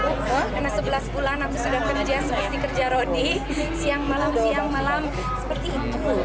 karena sebelas bulan aku sudah kerja seperti kerja rodi siang malam siang malam seperti itu